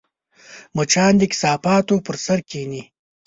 مچان د کثافاتو پر سر کښېني